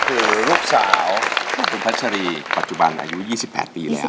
รูปสาวคุณพัชรีปัจจุบันอายุ๒๘ปีแล้ว